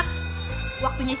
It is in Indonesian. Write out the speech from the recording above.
mahal di tengah tuh